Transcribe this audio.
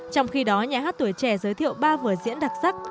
trong khi đó nhà hát tuổi trẻ giới thiệu ba vở diễn đặc sắc